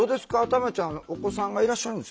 たまちゃんお子さんがいらっしゃるんですね。